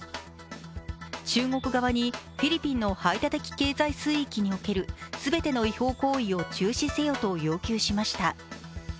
中国側に、フィリピンの排他的経済水域における全ての違法行為を中止せよと要求しました。